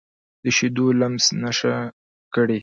د شیدو لمس نشه کړي